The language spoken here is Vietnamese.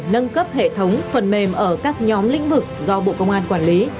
nâng cấp hệ thống phần mềm ở các nhóm lĩnh vực do bộ công an quản lý